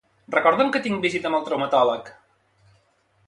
Recorda'm que tinc visita amb el traumatòleg.